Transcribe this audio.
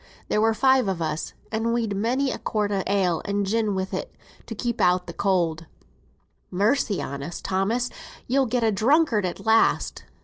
There were five on us, and we'd many a quart o' ale, and gin wi' it, to keep out cold." "Mercy on us, Thomas; you'll get a drunkard at last!"